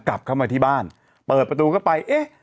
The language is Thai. กลับเข้ามาที่บ้านเปิดประตูเข้าไปเอ๊ะ